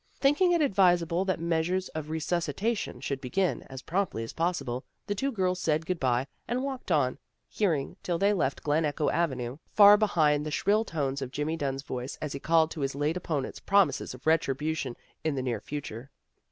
Thinking it advisable that measures of resuscitation should begin as promptly as possible, the two girls said good bye and walked on, hearing till they left Glen Echo Avenue far behind the shrill tones of Jimmy Dunn's voice as he called to his late opponents promises of retribution in the near future.